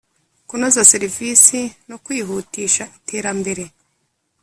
kunoza servisi no kwihutisha iterambere